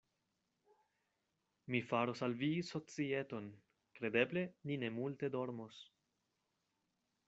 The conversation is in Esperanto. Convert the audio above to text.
Mi faros al vi societon: kredeble ni ne multe dormos.